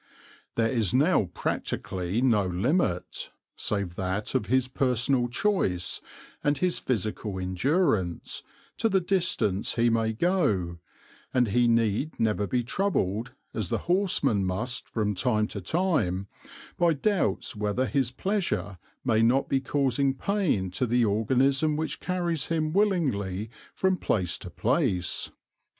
There is now practically no limit, save that of his personal choice and his physical endurance, to the distance he may go, and he need never be troubled, as the horseman must be from time to time, by doubts whether his pleasure may not be causing pain to the organism which carries him willingly from place to place.